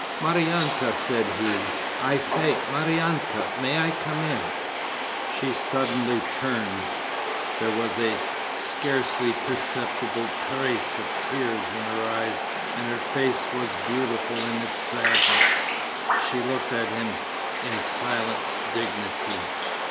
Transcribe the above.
'Maryanka,' said he, 'I say, Maryanka! May I come in?' She suddenly turned. There was a scarcely perceptible trace of tears in her eyes and her face was beautiful in its sadness. She looked at him in silent dignity.